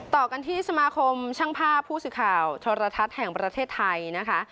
ต่อกันที่สมาคมช่างภาพผู้สื่อข่าวโทรทัศน์แห่งประเทศไทยนะคะ